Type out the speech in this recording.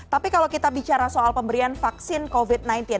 tapi kalau kita bicara soal pemberian vaksin covid sembilan belas